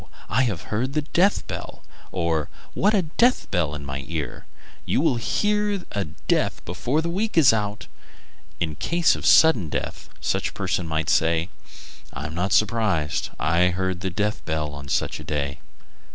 I have heard a death bell!" or, "What a death bell in my ear! You will hear of a death before the week is out." In case of a sudden death, such a person might say: "I am not surprised; I heard a death bell on such a day."